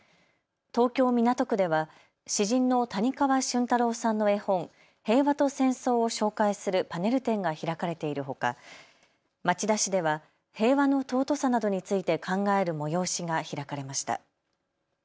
東京港区では詩人の谷川俊太郎さんの絵本、へいわとせんそうを紹介するパネル展が開かれているほか町田市では平和の尊さなどについて考える催しが開かれました。